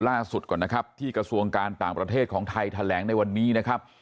ล่าสุดก่อนนะครับที่กระทรวงการต่างประเทศของไทยแถลงในวันนี้นะครับ